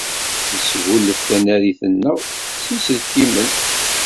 Nesgulef tanarit-nneɣ s yiselkimen.